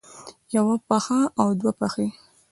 يوه پښه او دوه پښې